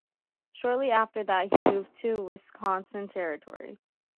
Shortly after that, he moved to Wisconsin Territory.